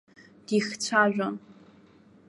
Дихцәажәон.